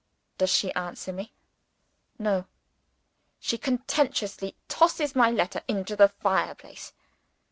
Does she answer me? No! She contemptuously tosses my letter into the fire place.